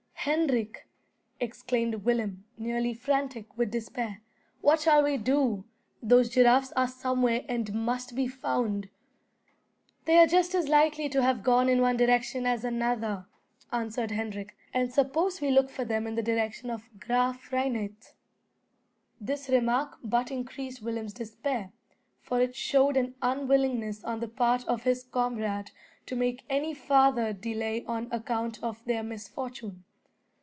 "Hendrik," exclaimed Willem, nearly frantic with despair; "what shall we do? Those giraffes are somewhere, and must be found." "They are just as likely to have gone in one direction as another," answered Hendrik, "and suppose we look for them in the direction of Graaf Reinet." This remark but increased Willem's despair, for it showed an unwillingness on the part of his comrade to make any farther delay on account of their misfortune.